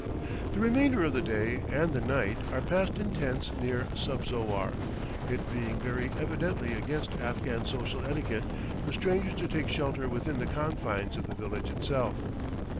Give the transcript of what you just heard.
The remainder of the day, and the night, are passed in tents near Subzowar, it being very evidently against Afghan social etiquette for strangers to take shelter within the confines of the village itself.